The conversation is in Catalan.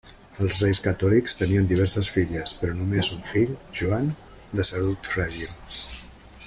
Els reis catòlics tenien diverses filles, però només un fill, Joan, de salut fràgil.